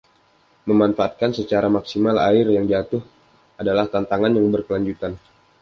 Memanfaatkan secara maksimal air yang jatuh adalah tantangan yang berkelanjutan.